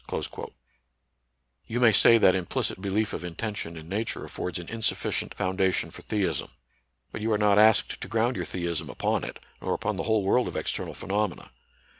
* You may say that implicit belief of intention in Nature affords an insufficient foundation for theism. But you are not asked to ground your theism upon it, nor upon the whole world of external phenomena.